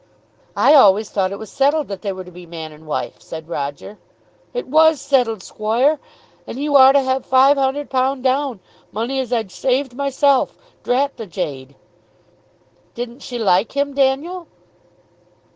"I always thought it was settled they were to be man and wife," said Roger. "It was settled, squoire; and he war to have five hun'erd pound down; money as I'd saved myself. Drat the jade." "Didn't she like him, Daniel?"